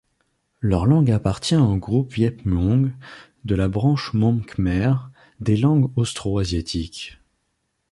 Leur langue appartient au groupe viêt-muong de la branche môn-khmer des langues austroasiatiques.